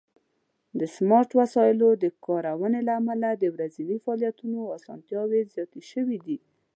د سمارټ وسایلو د کارونې له امله د ورځني فعالیتونو آسانتیا زیاته شوې ده.